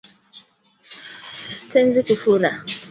Tezi kufura